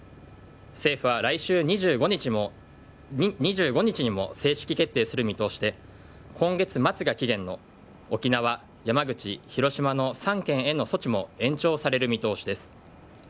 政府は来週２５日にも正式決定する見通しで今月末が期限の沖縄、山口、広島の３県への措置も延長される見通しです。